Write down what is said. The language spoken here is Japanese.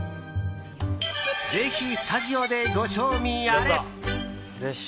ぜひ、スタジオでご賞味あれ。